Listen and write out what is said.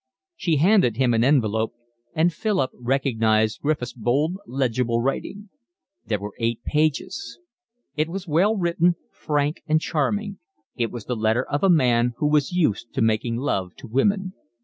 She handed him an envelope and Philip recognised Griffiths' bold, legible writing. There were eight pages. It was well written, frank and charming; it was the letter of a man who was used to making love to women.